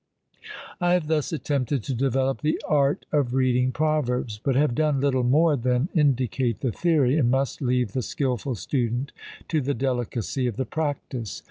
I have thus attempted to develope THE ART OF READING PROVERBS; but have done little more than indicate the theory, and must leave the skilful student to the delicacy of the practice.